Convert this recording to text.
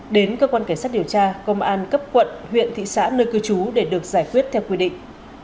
đến cơ quan cảnh sát điều tra công an cấp quận huyện thị xã nơi cư trú để được giải quyết theo quy định